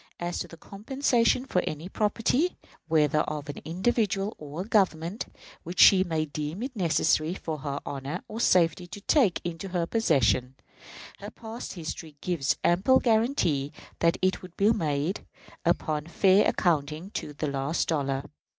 As to compensation for any property, whether of an individual or a Government, which she may deem it necessary for her honor or safety to take into her possession, her past history gives ample guarantee that it will be made, upon a fair accounting, to the last dollar.